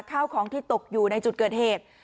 ข้าวของที่ตกอยู่ในจุดเกิดเหตุ